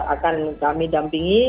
akan kami dampingi